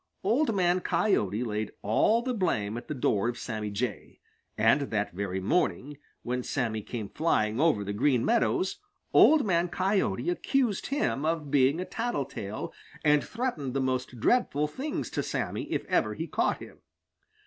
So Old Man Coyote laid all the blame at the door of Sammy Jay, and that very morning, when Sammy came flying over the Green Meadows, Old Man Coyote accused him of being a tattletale and threatened the most dreadful things to Sammy if ever he caught him.